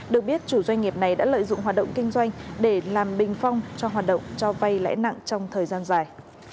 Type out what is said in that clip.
được biết chủ doanh nghiệp này đã lợi dụng hoạt động kinh doanh để làm bình phong cho hoạt động cho vay lãi nặng trong thời gian dài